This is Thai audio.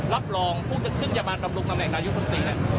รับรองผู้เชิงคืนยาบาลตำรุกนำแหลกนายุคคลิกเนี่ย